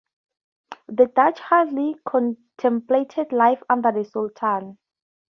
The Dutch hardly contemplated life under the Sultan.